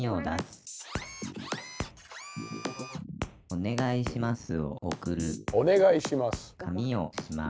お願いします。